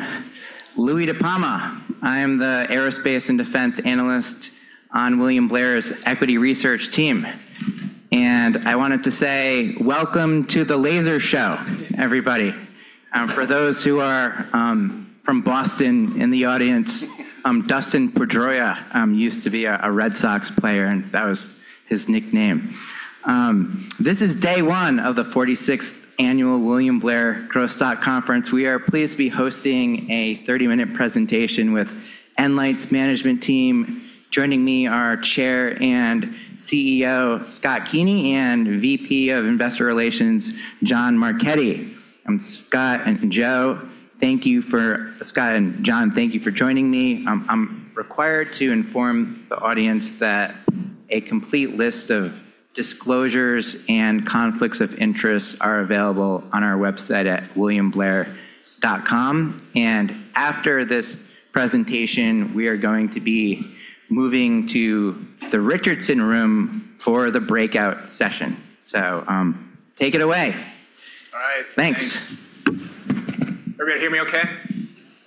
I'm Louie DiPalma. I am the aerospace and defense analyst on William Blair's equity research team. I wanted to say welcome to the laser show, everybody. For those who are from Boston in the audience, Dustin Pedroia used to be a Red Sox player, and that was his nickname. This is day one of the 46th annual William Blair Growth Stock Conference. We are pleased to be hosting a 30-minute presentation with nLIGHT's management team. Joining me are Chair and CEO, Scott Keeney, and VP of Investor Relations, John Marchetti. Scott and John, thank you for joining me. I'm required to inform the audience that a complete list of disclosures and conflicts of interest are available on our website at williamblair.com. After this presentation, we are going to be moving to the Richardson Room for the breakout session. Take it away. All right. Thanks. Everybody hear me okay?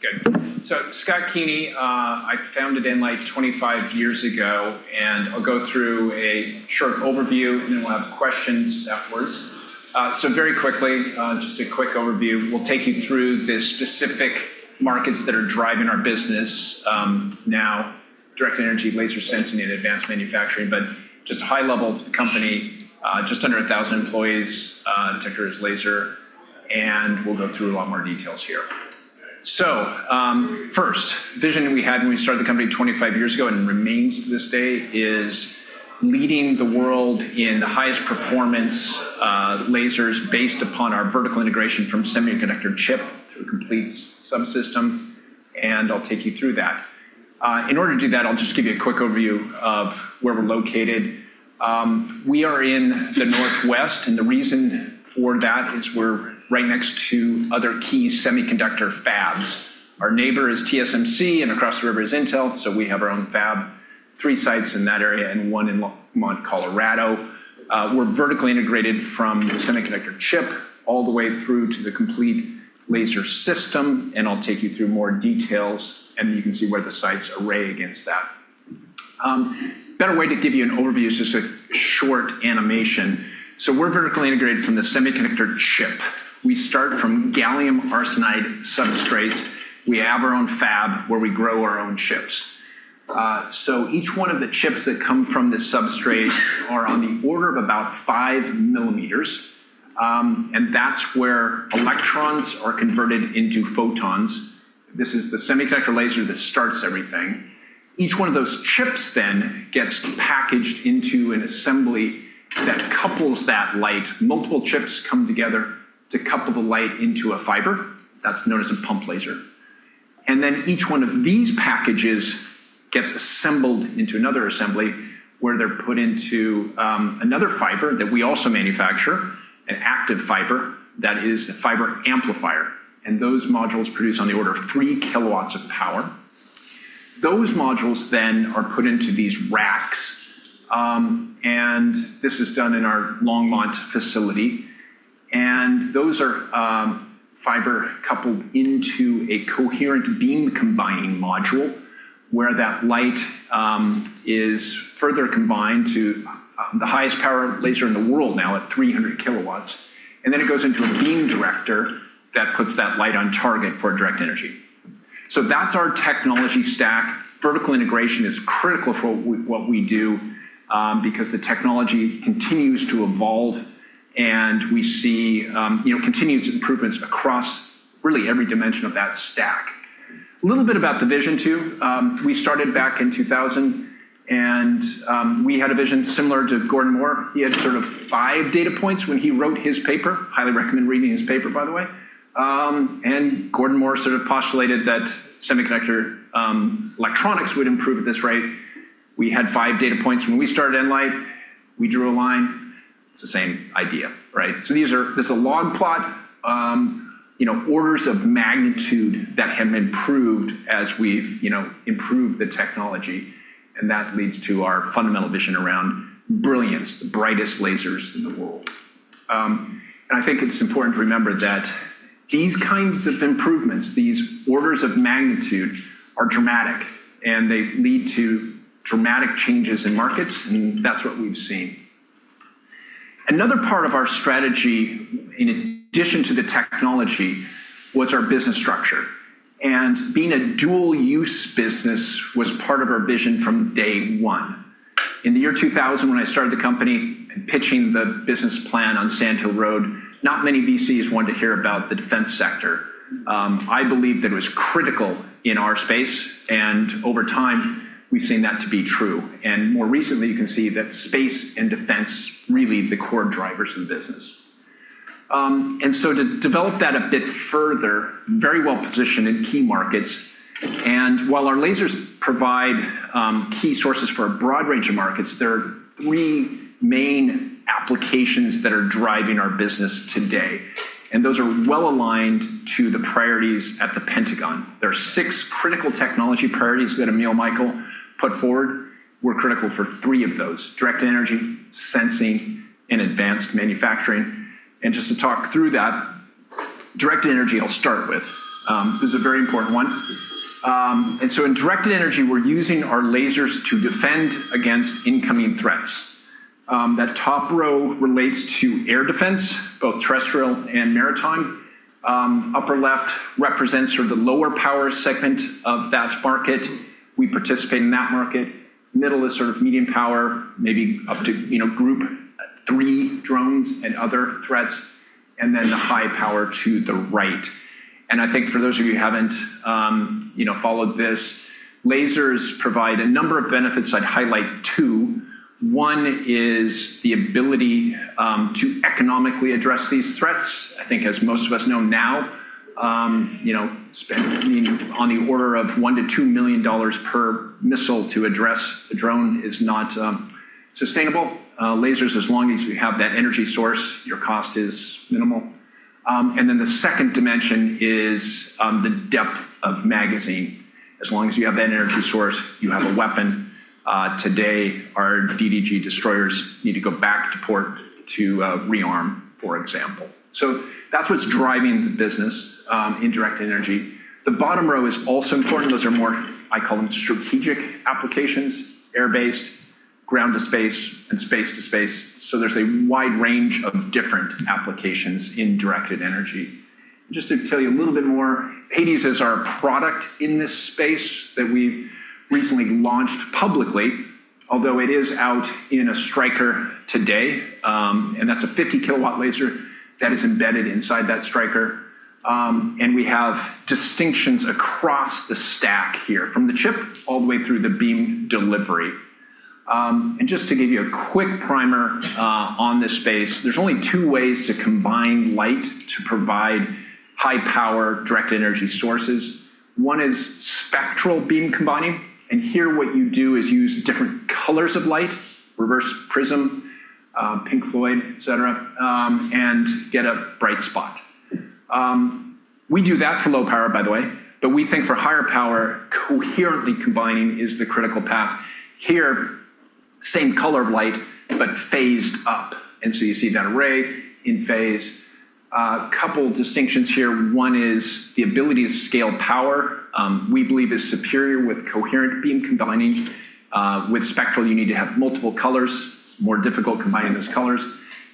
Good. Scott Keeney. I founded nLIGHT 25 years ago, and I'll go through a short overview, and then we'll have questions afterwards. Very quickly, just a quick overview. We'll take you through the specific markets that are driving our business now, directed energy, laser sensing, and advanced manufacturing. Just high level, the company, just under 1,000 employees, detectors, laser, and we'll go through a lot more details here. First vision that we had when we started the company 25 years ago and remains to this day is leading the world in the highest performance lasers based upon our vertical integration from semiconductor chip to a complete subsystem, and I'll take you through that. In order to do that, I'll just give you a quick overview of where we're located. We are in the Northwest. The reason for that is we're right next to other key semiconductor fabs. Our neighbor is TSMC. Across the river is Intel. We have our own fab, three sites in that area and one in Longmont, Colorado. We're vertically integrated from the semiconductor chip all the way through to the complete laser system. I'll take you through more details, you can see where the sites array against that. Better way to give you an overview is just a short animation. We're vertically integrated from the semiconductor chip. We start from gallium arsenide substrates. We have our own fab where we grow our own chips. Each one of the chips that come from this substrate are on the order of about five millimeters. That's where electrons are converted into photons. This is the semiconductor laser that starts everything. Each one of those chips gets packaged into an assembly that couples that light. Multiple chips come together to couple the light into a fiber. That's known as a pump laser. Each one of these packages gets assembled into another assembly where they're put into another fiber that we also manufacture, an active fiber that is a fiber amplifier. Those modules produce on the order of three kilowatts of power. Those modules are put into these racks, and this is done in our Longmont facility. Those are fiber-coupled into a coherent beam-combining module where that light is further combined to the highest power laser in the world now at 300 kW. It goes into a beam director that puts that light on target for directed energy. That's our technology stack. Vertical integration is critical for what we do because the technology continues to evolve, and we see continuous improvements across really every dimension of that stack. A little bit about the vision, too. We started back in 2000, and we had a vision similar to Gordon Moore. He had sort of five data points when he wrote his paper. Highly recommend reading his paper, by the way. Gordon Moore sort of postulated that semiconductor electronics would improve at this rate. We had five data points when we started nLIGHT. We drew a line. It's the same idea, right? This is a log plot, orders of magnitude that have improved as we've improved the technology, and that leads to our fundamental vision around brilliance, the brightest lasers in the world. I think it's important to remember that these kinds of improvements, these orders of magnitude, are dramatic, and they lead to dramatic changes in markets. That's what we've seen. Another part of our strategy, in addition to the technology, was our business structure. Being a dual-use business was part of our vision from day one. In the year 2000, when I started the company, pitching the business plan on Sand Hill Road, not many VCs wanted to hear about the defense sector. I believed that it was critical in our space, and over time, we've seen that to be true. More recently, you can see that space and defense really the core drivers of the business. To develop that a bit further, very well-positioned in key markets. While our lasers provide key sources for a broad range of markets, there are three main applications that are driving our business today. Those are well-aligned to the priorities at The Pentagon. There are six critical technology priorities that Emil Michael put forward. We're critical for three of those, directed energy, sensing, and advanced manufacturing. Just to talk through that, directed energy, I'll start with. This is a very important one. In directed energy, we're using our lasers to defend against incoming threats. That top row relates to air defense, both terrestrial and maritime. Upper left represents the lower power segment of that market. We participate in that market. Middle is medium power, maybe up to group 3 drones and other threats, then the high power to the right. I think for those of you who haven't followed this, lasers provide a number of benefits. I'd highlight two. One is the ability to economically address these threats. I think as most of us know now, spending on the order of $1 to $2 million per missile to address a drone is not sustainable. Lasers, as long as you have that energy source, your cost is minimal. Then the second dimension is the depth of magazine. As long as you have that energy source, you have a weapon. Today, our DDG destroyers need to go back to port to rearm, for example. That's what's driving the business in directed energy. The bottom row is also important. Those are more, I call them, strategic applications, air-based, ground to space, and space to space. There's a wide range of different applications in directed energy. Just to tell you a little bit more, Hades is our product in this space that we recently launched publicly, although it is out in a Stryker today. That's a 50 kW laser that is embedded inside that Stryker. We have distinctions across the stack here, from the chip all the way through the beam delivery. Just to give you a quick primer on this space, there's only two ways to combine light to provide high power directed energy sources. One is spectral beam combining, and here what you do is use different colors of light, reverse prism, Pink Floyd, et cetera, and get a bright spot. We do that for low power, by the way, but we think for higher power, coherently combining is the critical path. Here, same color of light, but phased up. You see that array in phase. A couple distinctions here. One is the ability to scale power we believe is superior with coherent beam combining. With spectral, you need to have multiple colors. It's more difficult combining those colors.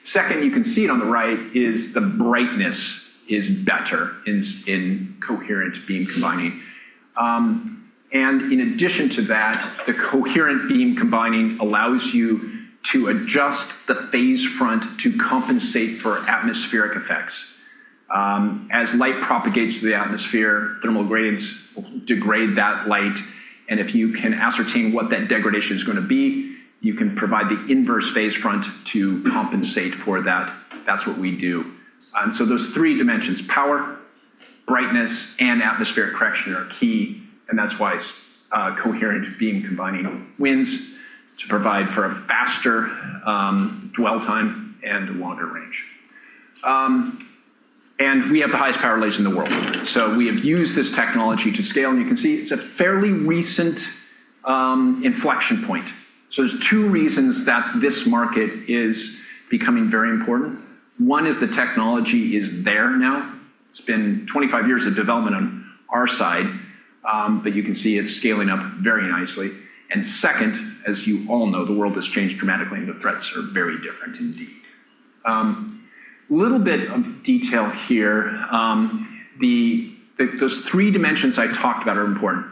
Second, you can see it on the right, is the brightness is better in coherent beam combining. In addition to that, the coherent beam combining allows you to adjust the phase front to compensate for atmospheric effects. As light propagates through the atmosphere, thermal gradients degrade that light, and if you can ascertain what that degradation is going to be, you can provide the inverse phase front to compensate for that. That's what we do. Those three dimensions, power, brightness, and atmospheric correction are key, and that's why coherent beam combining wins to provide for a faster dwell time and longer range. We have the highest power laser in the world. We have used this technology to scale, and you can see it's a fairly recent inflection point. There's two reasons that this market is becoming very important. One is the technology is there now. It's been 25 years of development on our side, but you can see it's scaling up very nicely. Second, as you all know, the world has changed dramatically and the threats are very different indeed. Little bit of detail here. Those three dimensions I talked about are important.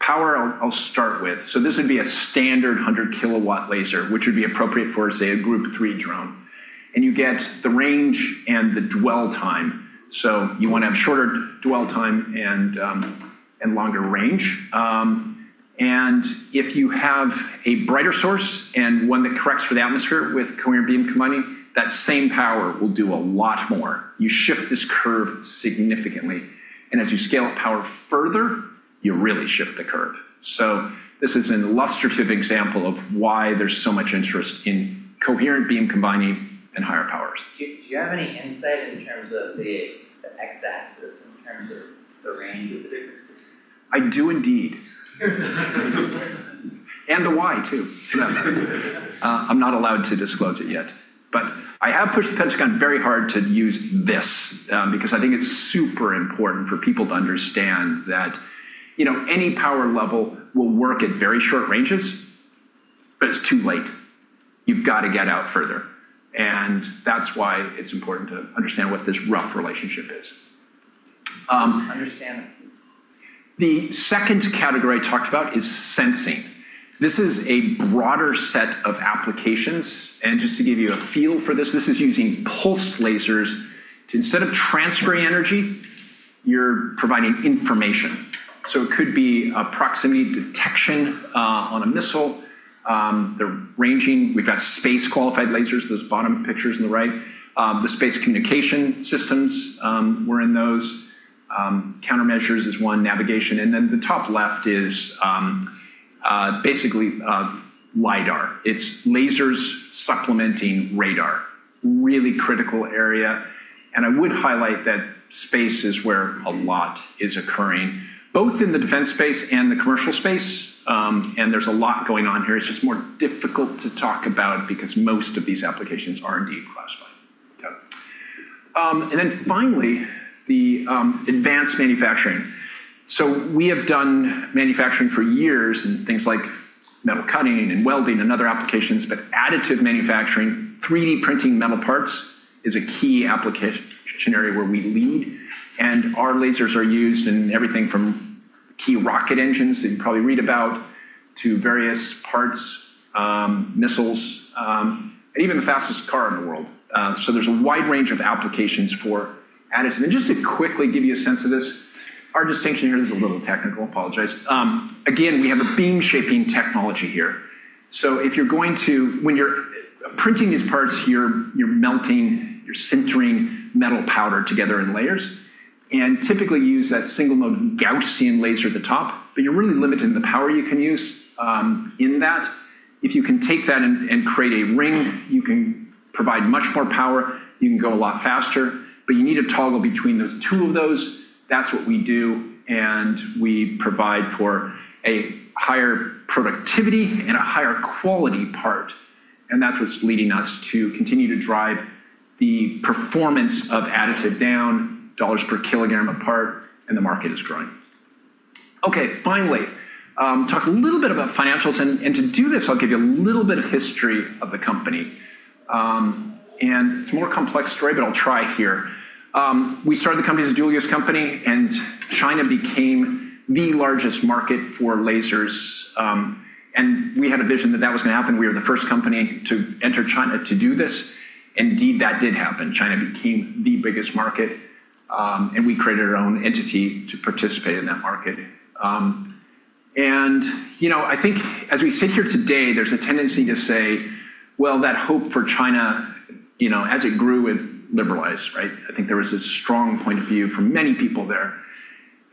Power, I'll start with. This would be a standard 100 kilowatt laser, which would be appropriate for, say, a group three drone. You get the range and the dwell time. You want to have shorter dwell time and longer range. If you have a brighter source and one that corrects for the atmosphere with coherent beam combining, that same power will do a lot more. You shift this curve significantly. As you scale up power further, you really shift the curve. This is an illustrative example of why there's so much interest in coherent beam combining and higher powers. Do you have any insight in terms of the X-axis, in terms of the range of the difference? I do indeed. The Y too. I'm not allowed to disclose it yet. I have pushed the Pentagon very hard to use this, because I think it's super important for people to understand that any power level will work at very short ranges, but it's too late. You've got to get out further. That's why it's important to understand what this rough relationship is. Understand that. The second category I talked about is sensing. This is a broader set of applications. Just to give you a feel for this is using pulsed lasers. Instead of transferring energy, you're providing information. It could be a proximity detection on a missile. They're ranging. We've got space qualified lasers, those bottom pictures on the right. The space communication systems were in those. Countermeasures is one, navigation, and the top left is basically LiDAR. It's lasers supplementing radar. Really critical area. I would highlight that space is where a lot is occurring, both in the defense space and the commercial space. There's a lot going on here. It's just more difficult to talk about because most of these applications are indeed classified. Finally, the advanced manufacturing. We have done manufacturing for years and things like metal cutting and welding and other applications. Additive manufacturing, 3D printing metal parts, is a key application area where we lead, and our lasers are used in everything from key rocket engines that you probably read about, to various parts, missiles, and even the fastest car in the world. There's a wide range of applications for additive. Just to quickly give you a sense of this, our distinction here is a little technical. I apologize. Again, we have a beam shaping technology here. When you're printing these parts here, you're melting, you're sintering metal powder together in layers, and typically use that single mode Gaussian laser at the top. You're really limited in the power you can use in that. If you can take that and create a ring, you can provide much more power, you can go a lot faster, but you need to toggle between those two of those. That's what we do. We provide for a higher productivity and a higher quality part. That's what's leading us to continue to drive the performance of additive down, dollars per kilogram of part. The market is growing. Okay, finally, talk a little bit about financials. To do this, I'll give you a little bit of history of the company. It's a more complex story, but I'll try here. We started the company as a dual-use company, and China became the largest market for lasers. We had a vision that that was going to happen. We were the first company to enter China to do this. Indeed, that did happen. China became the biggest market, and we created our own entity to participate in that market. I think as we sit here today, there's a tendency to say, well, that hope for China as it grew, it liberalized, right? I think there was a strong point of view for many people there.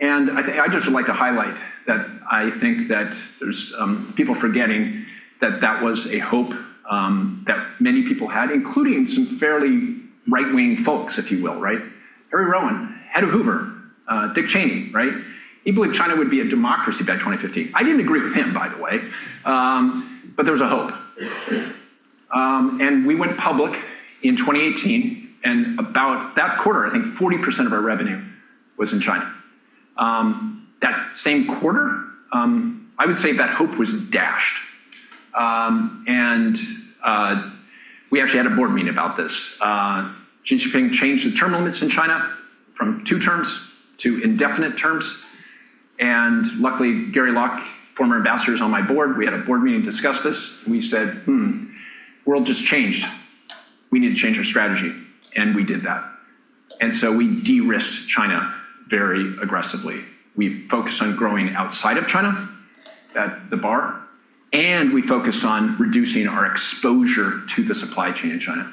I'd just like to highlight that I think that there's people forgetting that that was a hope that many people had, including some fairly right-wing folks, if you will. Henry Rowen, head of Hoover, Dick Cheney. He believed China would be a democracy by 2015. I didn't agree with him, by the way, there was a hope. We went public in 2018, and about that quarter, I think 40% of our revenue was in China. That same quarter, I would say that hope was dashed. We actually had a board meeting about this. Xi Jinping changed the term limits in China from two terms to indefinite terms. Luckily, Gary Locke, former ambassador, is on my board. We had a board meeting to discuss this. We said, "World just changed. We need to change our strategy." We did that. We de-risked China very aggressively. We focused on growing outside of China, the bar, and we focused on reducing our exposure to the supply chain in China.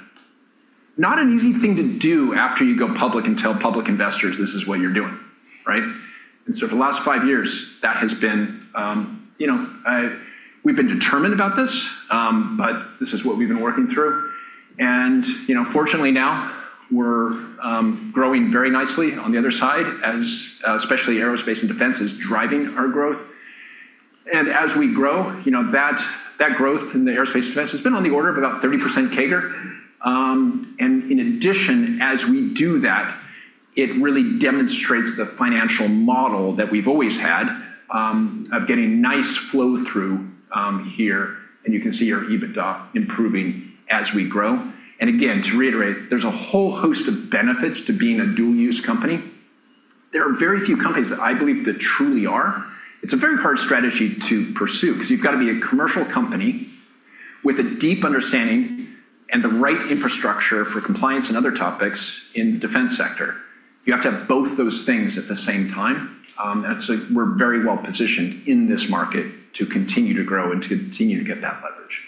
Not an easy thing to do after you go public and tell public investors this is what you're doing. For the last five years, we've been determined about this, but this is what we've been working through. Fortunately now we're growing very nicely on the other side as especially aerospace and defense is driving our growth. As we grow, that growth in the aerospace and defense has been on the order of about 30% CAGR. In addition, as we do that, it really demonstrates the financial model that we've always had of getting nice flow through here. You can see our EBITDA improving as we grow. Again, to reiterate, there's a whole host of benefits to being a dual use company. There are very few companies that I believe that truly are. It's a very hard strategy to pursue because you've got to be a commercial company with a deep understanding and the right infrastructure for compliance and other topics in the defense sector. You have to have both those things at the same time. We're very well positioned in this market to continue to grow and to continue to get that leverage.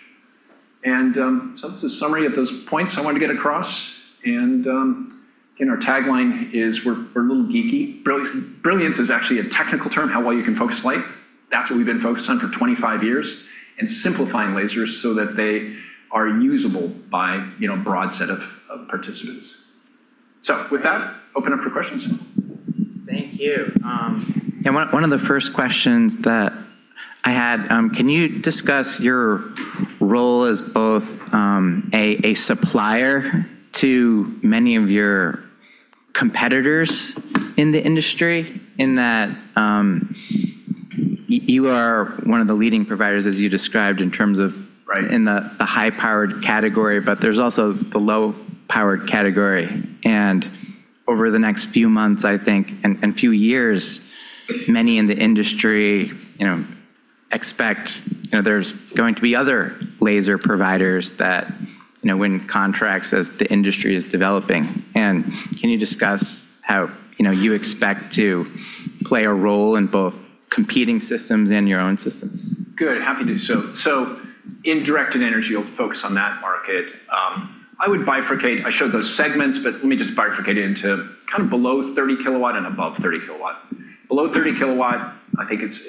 That's a summary of those points I wanted to get across. Again, our tagline is we're a little geeky. Brilliance is actually a technical term, how well you can focus light. That's what we've been focused on for 25 years, and simplifying lasers so that they are usable by a broad set of participants. With that, open up for questions. Thank you. One of the first questions that I had, can you discuss your role as both a supplier to many of your competitors in the industry in that you are one of the leading providers, as you described, in terms of? Right in the high-powered category, but there's also the low-powered category. Over the next few months, I think, and few years, many in the industry expect there's going to be other laser providers that win contracts as the industry is developing. Can you discuss how you expect to play a role in both competing systems and your own systems? Good, happy to. In directed energy, we'll focus on that market. I would bifurcate, I showed those segments, but let me just bifurcate into below 30 kilowatt and above 30 kilowatt. Below 30 kilowatt, I think it's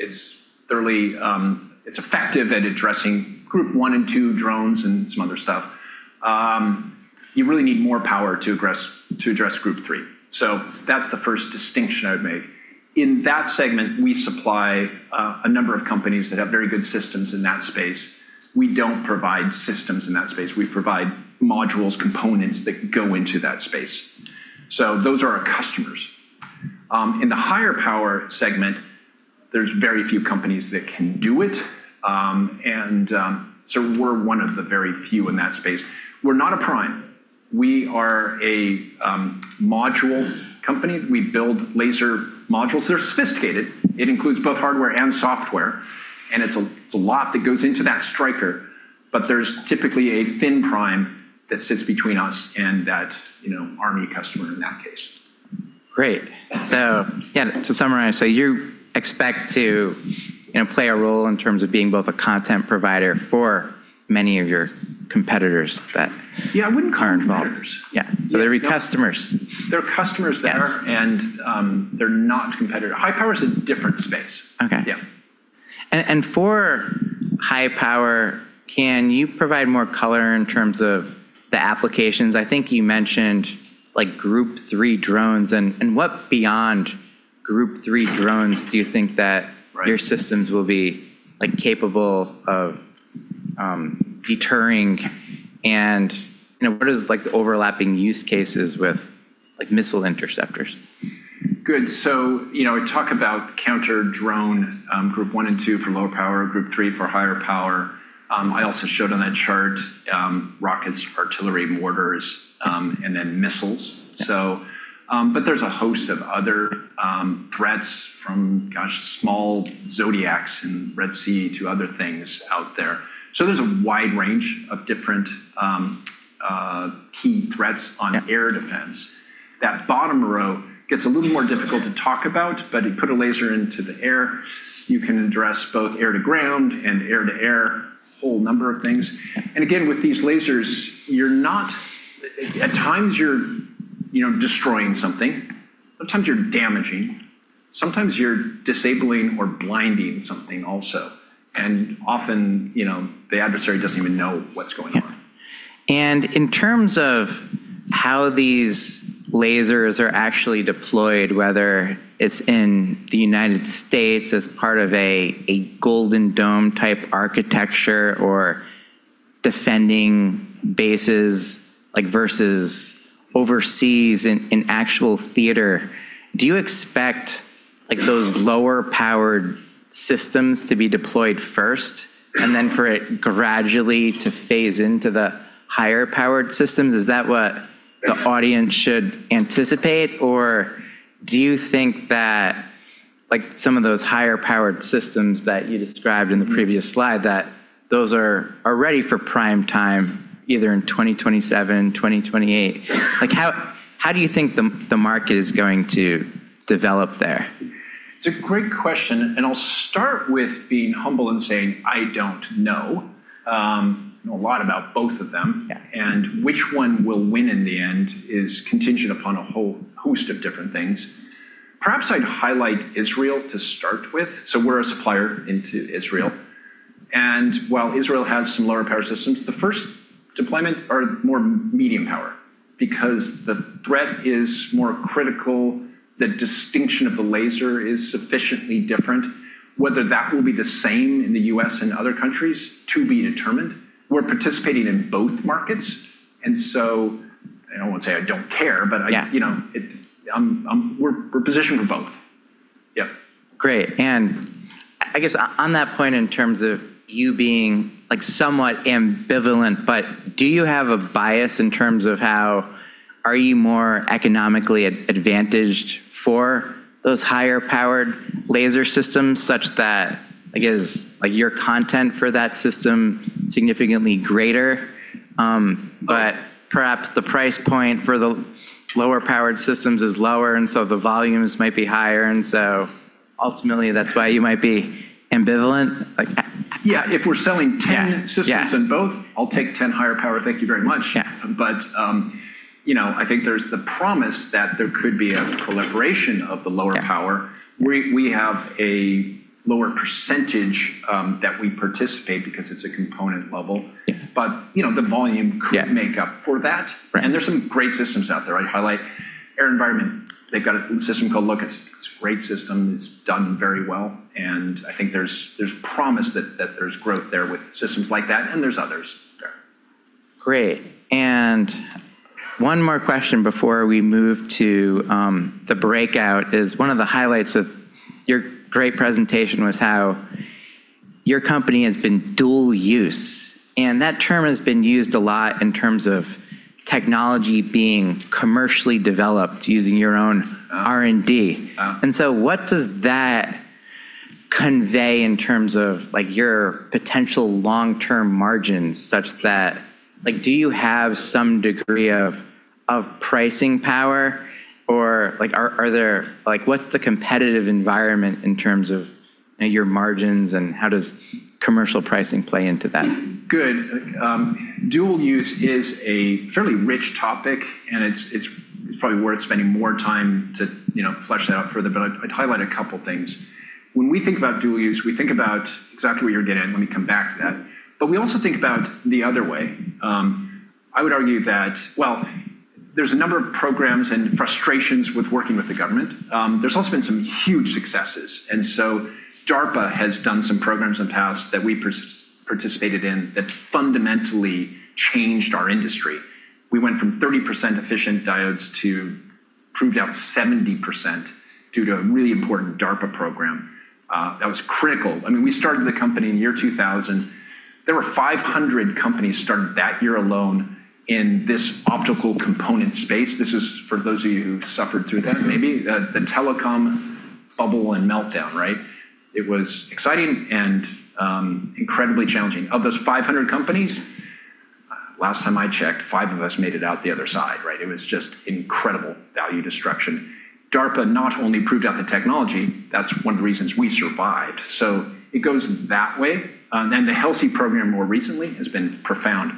effective at addressing group 1 and 2 drones and some other stuff. You really need more power to address group three. That's the first distinction I would make. In that segment, we supply a number of companies that have very good systems in that space. We don't provide systems in that space. We provide modules, components that go into that space. Those are our customers. In the higher power segment, there's very few companies that can do it, we're one of the very few in that space. We're not a prime. We are a module company. We build laser modules that are sophisticated. It includes both hardware and software, and it's a lot that goes into that Stryker, but there's typically a thin prime that sits between us and that Army customer in that case. Great. Yeah, to summarize, so you expect to play a role in terms of being both a content provider for many of your competitors that. Yeah, I wouldn't call them competitors. are involved. Yeah. They'd be customers. They're customers there. Yes They're not competitor. High power is a different space. Okay. Yeah. For high power, can you provide more color in terms of the applications? I think you mentioned group 3 drones. What beyond group 3 drones? Right your systems will be capable of deterring. What is the overlapping use cases with missile interceptors? Good. We talk about counter drone, group one and two for lower power, group three for higher power. I also showed on that chart, rockets, artillery, mortars, and then missiles. Yeah. There's a host of other threats from, gosh, small Zodiacs in Red Sea to other things out there. There's a wide range of different key threats on air defense. Yeah. That bottom row gets a little more difficult to talk about, but you put a laser into the air, you can address both air-to-ground and air-to-air, whole number of things. Again, with these lasers, at times you're destroying something, sometimes you're damaging, sometimes you're disabling or blinding something also. Often, the adversary doesn't even know what's going on. In terms of how these lasers are actually deployed, whether it's in the U.S. as part of a Golden Dome type architecture or defending bases versus overseas in actual theater, do you expect those lower powered systems to be deployed first and then for it gradually to phase into the higher powered systems? Is that what the audience should anticipate? Do you think that some of those higher powered systems that you described in the previous slide, that those are ready for prime time either in 2027, 2028? How do you think the market is going to develop there? It's a great question, and I'll start with being humble and saying, I don't know a lot about both of them. Yeah. Which one will win in the end is contingent upon a whole host of different things. Perhaps I'd highlight Israel to start with. We're a supplier into Israel, and while Israel has some lower power systems, the first deployment are more medium power because the threat is more critical, the distinction of the laser is sufficiently different. Whether that will be the same in the U.S. and other countries, to be determined. We're participating in both markets, I don't want to say I don't care. Yeah We're positioned for both. Yep. Great. I guess on that point, in terms of you being somewhat ambivalent, but do you have a bias in terms of how, are you more economically advantaged for those higher powered laser systems, such that, I guess, your content for that system significantly greater? Perhaps the price point for the lower powered systems is lower, and so the volumes might be higher, and so ultimately that's why you might be ambivalent. Yeah. If we're selling 10 systems in both, I'll take 10 higher power, thank you very much. Yeah. I think there's the promise that there could be a collaboration of the lower power. Yeah. We have a lower percentage, that we participate because it's a component level. Yeah. The volume could make up for that. Right. There's some great systems out there. I'd highlight AeroVironment. They've got a system called Look. It's a great system. It's done very well, and I think there's promise that there's growth there with systems like that, and there's others. Okay. Great. One more question before we move to the breakout is, one of the highlights of your great presentation was how your company has been dual use, and that term has been used a lot in terms of technology being commercially developed using your own R&D. Yeah. What does that convey in terms of your potential long-term margins, such that do you have some degree of pricing power? What's the competitive environment in terms of your margins, and how does commercial pricing play into that? Good. Dual use is a fairly rich topic, and it's probably worth spending more time to flesh that out further, but I'd highlight a couple things. When we think about dual use, we think about exactly what you're getting, let me come back to that. We also think about the other way. Well, there's a number of programs and frustrations with working with the government. There's also been some huge successes. DARPA has done some programs in the past that we participated in that fundamentally changed our industry. We went from 30% efficient diodes to proved out 70% due to a really important DARPA program. That was critical. We started the company in year 2000. There were 500 companies started that year alone in this optical component space. This is for those of you who suffered through that, maybe. The telecom bubble and meltdown, right? It was exciting and incredibly challenging. Of those 500 companies, last time I checked, five of us made it out the other side, right? It was just incredible value destruction. DARPA not only proved out the technology, that's one of the reasons we survived. It goes that way. The HELSI program more recently has been profound.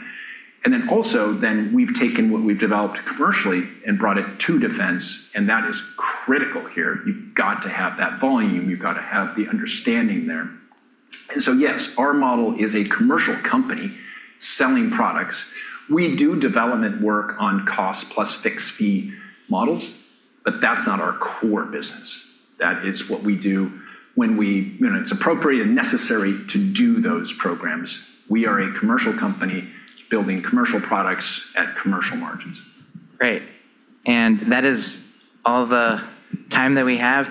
Also, then we've taken what we've developed commercially and brought it to defense, and that is critical here. You've got to have that volume. You've got to have the understanding there. Yes, our model is a commercial company selling products. We do development work on cost plus fixed fee models, but that's not our core business. That is what we do when it's appropriate and necessary to do those programs. We are a commercial company building commercial products at commercial margins. Great. That is all the time that we have.